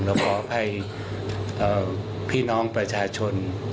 ขออภัยพี่น้องประชาชน